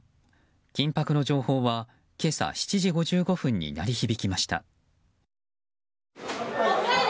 緊迫の情報は今朝７時５５分に鳴り響きました。